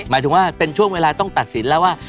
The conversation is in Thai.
หมายถึงว่าเป็นช่วงเวลาต้องตัดสินแล้วว่า